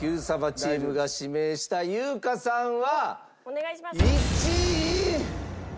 チームが指名した優香さんは１位。